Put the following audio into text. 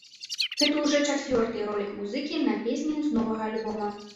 Гэта ўжо чацвёрты ролік музыкі на песні з новага альбома.